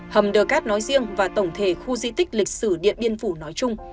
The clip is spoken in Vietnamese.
hầm đờ cát nói riêng và tổng thể khu di tích lịch sử điện biên phủ nói chung